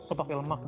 oh pakai lemak